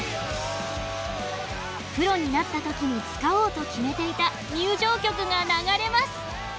プロになった時に使おうと決めていた入場曲が流れます。